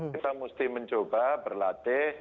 kita mesti mencoba berlatih